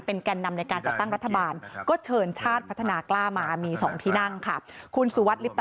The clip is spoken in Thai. โอเคคราว